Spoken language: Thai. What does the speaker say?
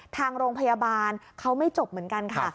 ทางโรงพยาบาลเขาไม่จบเหมือนกันค่ะ